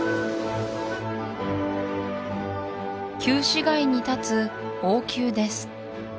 旧市街に立つ王宮です